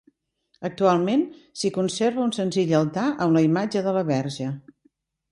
Actualment s'hi conserva un senzill altar amb la imatge de la Verge.